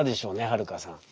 はるかさん。